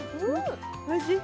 おいしい？